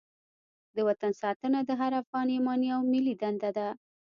د وطن ساتنه د هر افغان ایماني او ملي دنده ده.